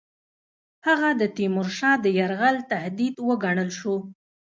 هغه د تیمورشاه د یرغل تهدید وګڼل شو.